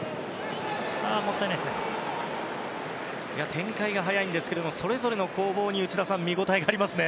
展開が早いんですがそれぞれの攻防に内田さん見応えがありますね。